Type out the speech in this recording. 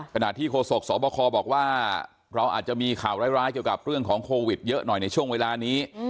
ขณะที่โฆษกสบคบอกว่าเราอาจจะมีข่าวร้ายเกี่ยวกับเรื่องของโควิดเยอะหน่อยในช่วงเวลานี้